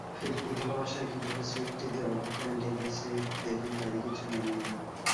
ফিরতি ভালোবাসায় কীভাবে সুইফটিদের অবাক করেন টেইলর সুইফট, দেখুন তারই কিছু নমুনা।